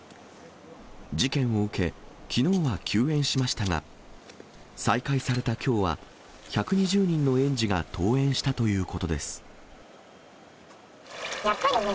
事件を受け、きのうは休園しましたが、再開されたきょうは、１２０人の園児が登園したということです。